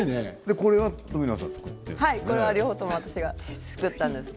これは冨永さん作ってるんですね。